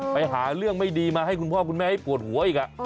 ไปหาเรื่องไม่ดีมาให้คุณพ่อคุณแม่ให้ปวดหัวอีก